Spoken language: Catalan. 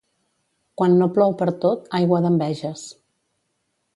Quan no plou pertot, aigua d'enveges.